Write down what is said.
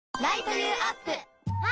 あ！